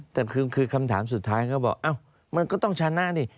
แต่คือคำถามสุดท้ายเขาบอกมันก็ต้องชนะนี่